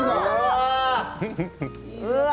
うわ！